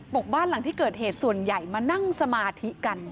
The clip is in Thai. บ้านหลังที่เกิดเหตุส่วนใหญ่มานั่งสมาธิกัน